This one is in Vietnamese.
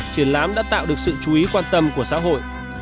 triển lãm đã tạo được sự chú ý quan tâm của xã hội